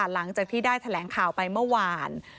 หลังจากที่ได้แถลงข่าวไปเมื่อวาน